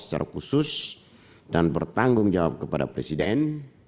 secara khusus dan bertanggung jawab kepada presiden